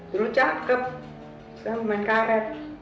dulu cakep saya main karet